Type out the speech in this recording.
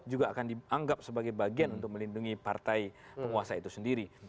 juga akan dianggap sebagai bagian untuk melindungi partai penguasa itu sendiri